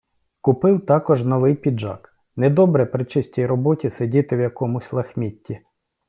Купив також новий піджак, - недобре при чистій роботі сидіти в якомусь лахмітті.